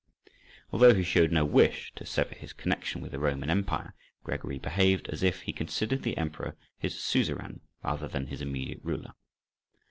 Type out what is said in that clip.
Although he showed no wish to sever his connection with the Roman Empire, Gregory behaved as if he considered the emperor his suzerain rather than his immediate ruler.